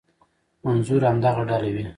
منظور همدغه ډله وي.